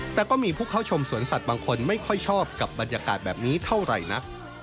แต่ก็มีผู้เข้าชมสวนสัตว์บางคนไม่ค่อยชอบกับบรรยากาศแบบนี้เท่าไหร่นัก